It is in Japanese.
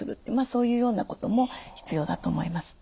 そういうようなことも必要だと思います。